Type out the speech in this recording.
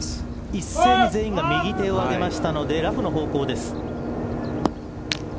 一斉に全員が右手を上げたのでラフの方向です。